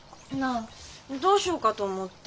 ああどうしようかと思って。